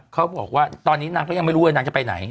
เขาบอกว่าตอนนี้นางก็ยังไม่รู้ว่านางจะไปไหน